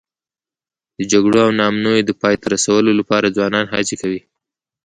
د جګړو او ناامنیو د پای ته رسولو لپاره ځوانان هڅې کوي.